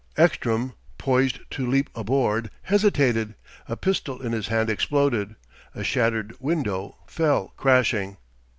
Ekstrom, poised to leap aboard, hesitated; a pistol in his hand exploded; a shattered window fell crashing.